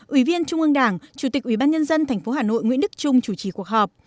ủy viên trung ương đảng chủ tịch ubnd tp hà nội nguyễn đức trung chủ trì cuộc họp